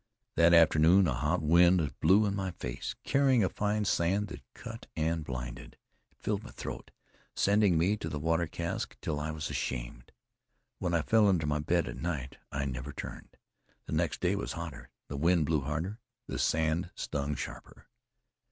That afternoon, a hot wind blew in my face, carrying fine sand that cut and blinded. It filled my throat, sending me to the water cask till I was ashamed. When I fell into my bed at night, I never turned. The next day was hotter; the wind blew harder; the sand stung sharper.